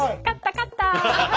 勝った！